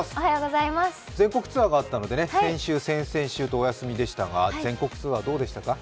全国ツアーがあったので先週、先々週とお休みでしたが全国ツアーどうでしたか？